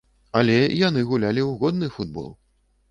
Але яны гулялі ў годны футбол.